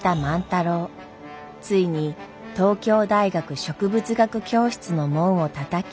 ついに東京大学植物学教室の門をたたき。